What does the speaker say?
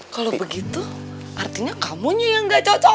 kalau begitu artinya kamu nya yang nggak cocok